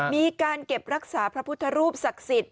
มีการเก็บรักษาพระพุทธรูปศักดิ์สิทธิ